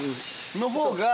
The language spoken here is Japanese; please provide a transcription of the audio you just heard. のほうが。